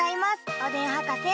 おでんはかせ。